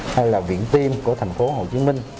hay là viện phim của thành phố hồ chí minh